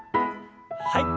はい。